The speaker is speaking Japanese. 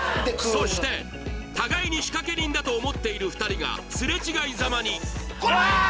そして互いに仕掛け人だと思っている２人がすれ違いざまにコラーッ！